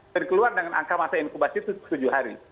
dan keluar dengan angka masa inkubasi itu tujuh hari